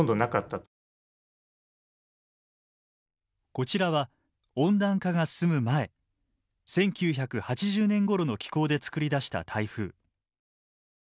こちらは温暖化が進む前１９８０年ごろの気候で作り出した台風。